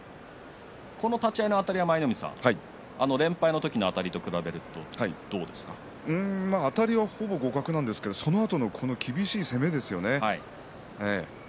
立ち合いのあたりは連敗の時のあたりと比べてあたりは、ほぼ互角なんですがそのあとの厳しい攻めですよね。